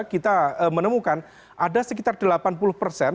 kita menemukan ada sekitar delapan puluh persen